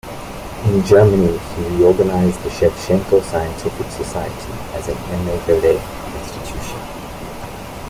In Germany, he reorganized the Shevchenko Scientific Society as an émigré institution.